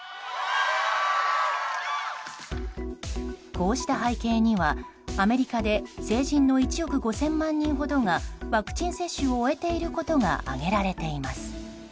こうした背景には、アメリカで成人の１億５０００万人ほどがワクチン接種を終えていることが挙げられています。